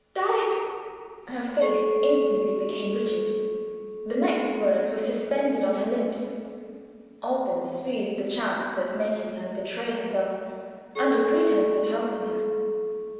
Died " Her face instantly became rigid. The next words were suspended on her lips. Alban seized the chance of making her betray herself under pretense of helping her.